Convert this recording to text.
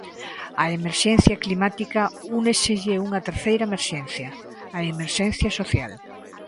Á emerxencia climática úneselle unha terceira emerxencia, a emerxencia social.